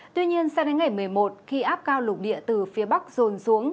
tuy nhiên sau đến ngày một mươi một khi áp cao lục địa từ phía bắc dồn xuống